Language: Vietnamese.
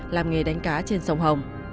làm nghề đánh cá trên sông hồng